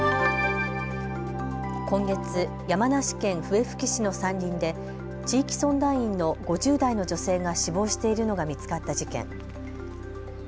今月、山梨県笛吹市の山林で地域相談員の５０代の女性が死亡しているのが見つかった事件。